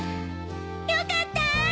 よかったぁ。